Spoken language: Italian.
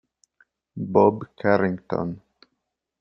Bob Carrington